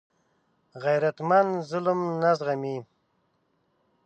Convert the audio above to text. غیرتمند ظلم نه زغمي